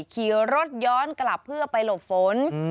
ขี่รถย้อนกลับเพื่อไปหลบฝน